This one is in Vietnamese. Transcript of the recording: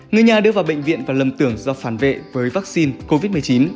người nhà đưa vào bệnh viện và lầm tưởng do phản vệ với vắc xin covid một mươi chín